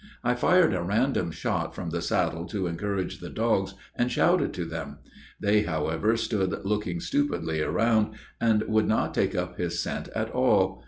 I fired a random shot from the saddle to encourage the dogs, and shouted to them; they, however, stood looking stupidly around, and would not take up his scent at all.